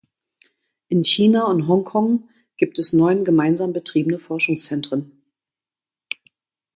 In China und Hongkong gibt es neun gemeinsam betriebene Forschungszentren.